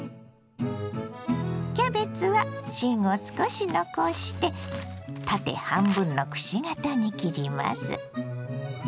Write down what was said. キャベツは芯を少し残して縦半分のくし形に切ります。